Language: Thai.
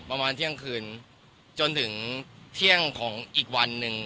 ประมาณเที่ยงคืนจนถึงเที่ยงของอีกวันหนึ่ง